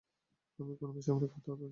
আমি কোন বেসামরিক হতাহত চাই না।